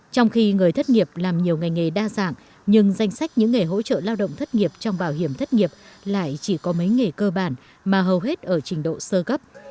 trong khi người thất nghiệp làm nhiều ngành nghề đa dạng nhưng danh sách những nghề hỗ trợ lao động thất nghiệp trong bảo hiểm thất nghiệp lại chỉ có mấy nghề cơ bản mà hầu hết ở trình độ sơ gấp